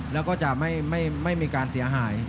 แล้วก็จะไม่มีการเสียหาย